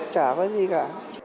chả có gì cả